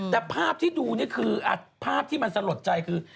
แต่ภาพที่ดูนี่คือภาพที่มันสลดใจคือ